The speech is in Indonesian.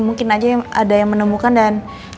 mungkin aja ada yang menemukan dan